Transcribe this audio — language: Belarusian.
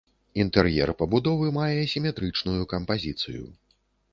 Інтэр'ер пабудовы мае сіметрычную кампазіцыю.